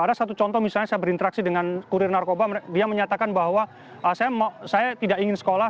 ada satu contoh misalnya saya berinteraksi dengan kurir narkoba dia menyatakan bahwa saya tidak ingin sekolah